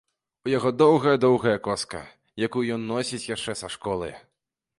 У яго доўгая-доўгая коска, якую ён носіць яшчэ са школы.